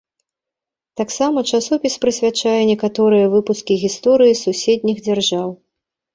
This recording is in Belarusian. Таксама часопіс прысвячае некаторыя выпускі гісторыі суседніх дзяржаў.